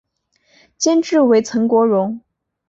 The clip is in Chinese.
监制为岑国荣。